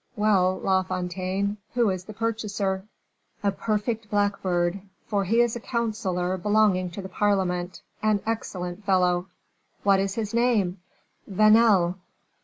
"Well, La Fontaine, who is the purchaser?" "A perfect blackbird, for he is a counselor belonging to the parliament, an excellent fellow." "What is his name?" "Vanel."